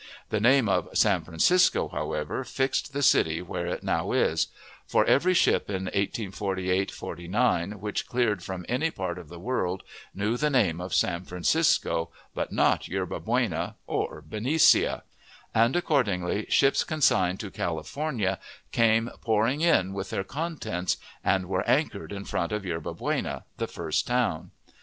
The name of "San Francisco," however, fixed the city where it now is; for every ship in 1848 '49, which cleared from any part of the world, knew the name of San Francisco, but not Yerba Buena or Benicia; and, accordingly, ships consigned to California came pouring in with their contents, and were anchored in front of Yerba Buena, the first town.